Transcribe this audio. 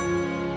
hanya akan akan